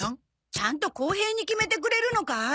ちゃんと公平に決めてくれるのかい？